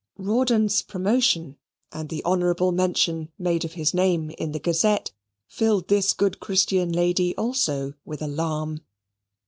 Rawdon's promotion, and the honourable mention made of his name in the Gazette, filled this good Christian lady also with alarm.